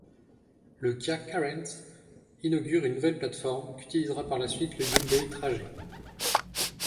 Le Kia Carens inaugure une nouvelle plate-forme qu'utilisera par la suite le Hyundai Trajet.